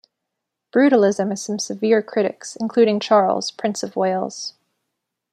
Brutalism has some severe critics, including Charles, Prince of Wales.